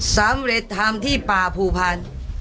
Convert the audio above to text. สำเร็จทำที่ป่าภูพันธ์